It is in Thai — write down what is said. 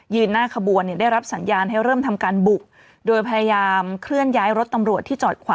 หน้าขบวนเนี่ยได้รับสัญญาณให้เริ่มทำการบุกโดยพยายามเคลื่อนย้ายรถตำรวจที่จอดขวา